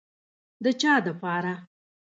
د چا دپاره.